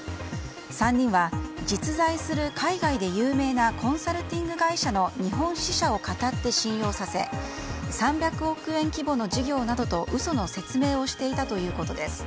３人は、実在する海外で有名なコンサルティング会社の日本支社をかたって信用させ３００億円規模の事業などと嘘の説明をしていたということです。